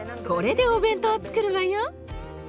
これでお弁当をつくるわよ。